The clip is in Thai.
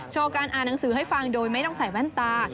การอ่านหนังสือให้ฟังโดยไม่ต้องใส่แว่นตา